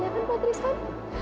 iya kan pak tristan